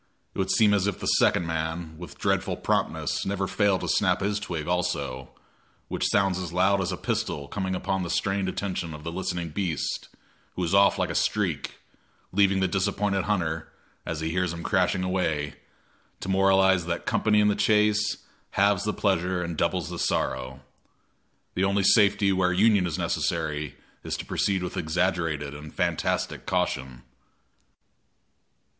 It would seem as if the second man, with dreadful promptness, never failed to snap his twig also, which sounds as loud as a pistol coming upon the strained attention of the listening beast, who is off like a streak, leaving the disappointed hunter, as he hears him crashing away, to moralize that company in the chase halves the pleasure and doubles the sorrow. The only safety where union is necessary is to proceed with exaggerated and fantastic caution.